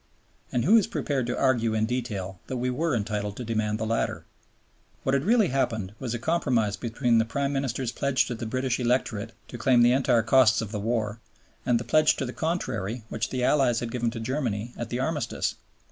And who is prepared to argue in detail that we were entitled to demand the latter? What had really happened was a compromise between the Prime Minister's pledge to the British electorate to claim the entire costs of the war and the pledge to the contrary which the Allies had given to Germany at the Armistice.